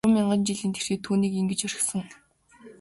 Гурван мянган жилийн тэртээд чи түүнийг ингэж орхисон.